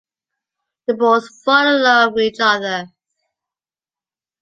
They both fall in love with each other.